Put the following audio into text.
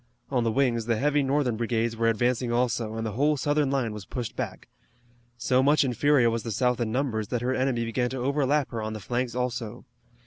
On the wings the heavy Northern brigades were advancing also, and the whole Southern line was pushed back. So much inferior was the South in numbers that her enemy began to overlap her on the flanks also.